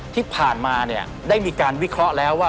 ที่ผ่านมาเนี่ยได้มีการวิเคราะห์แล้วว่า